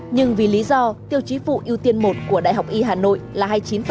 nhưng vì lý do tiêu chí phụ ưu tiên một của đại học y hà nội là hai mươi chín